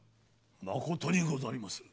まことにございまする。